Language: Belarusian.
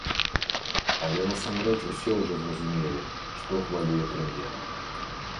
Але насамрэч усе ўжо зразумелі, што хвалюе прэм'ера.